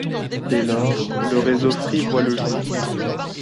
Dès lors, le réseau Free voit le jour.